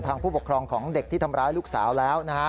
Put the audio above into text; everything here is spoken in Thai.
ผู้ปกครองของเด็กที่ทำร้ายลูกสาวแล้วนะฮะ